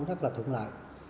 rất là thượng lạ